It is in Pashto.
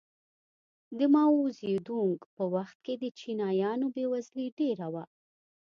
د ماوو زیدونګ په وخت کې د چینایانو بېوزلي ډېره وه.